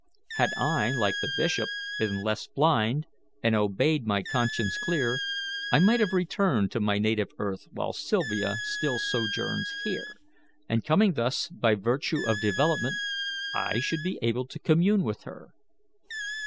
Had I, like the bishop, been less blind, and obeyed my conscience clear, I might have returned to my native earth while Sylvia still sojourns here; and coming thus by virtue of development, I should be able to commune with her.